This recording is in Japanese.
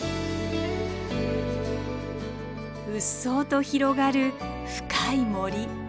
うっそうと広がる深い森。